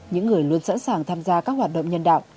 những người luôn sẵn sàng tham gia các hoạt động nhân đạo